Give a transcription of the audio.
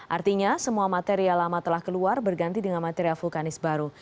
artinya semua material lama telah keluar berganti dengan material vulkanis baru